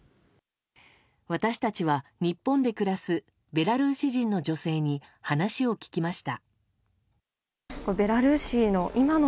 私たちは、日本で暮らすベラルーシ人の女性に話を聞きました。